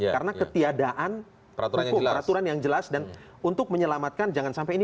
karena ketiadaan peraturan yang jelas dan untuk menyelamatkan jangan sampai ini